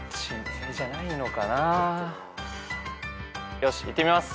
よしいってみます。